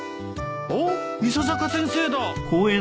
あっ伊佐坂先生だ。